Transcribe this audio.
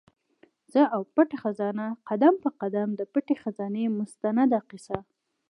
زه او پټه خزانه؛ قدم په قدم د پټي خزانې مستنده کیسه